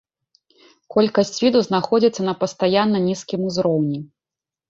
Колькасць віду знаходзіцца на пастаянна нізкім узроўні.